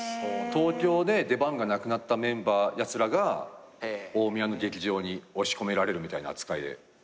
東京で出番がなくなったやつらが大宮の劇場に押し込められるみたいな扱いで。